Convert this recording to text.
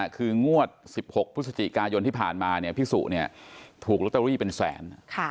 คืองวด๑๖พฤศจิกายนที่ผ่านมาพี่สุถูกลอตเตอรี่เป็นแสน